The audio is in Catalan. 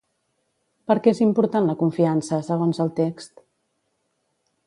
Per què és important la confiança, segons el text?